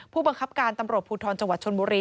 ผู้บังคับการตำรวจภูทรจังหวัดชนบุรี